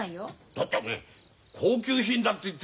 だっておめえ高級品だって言ってたぞ。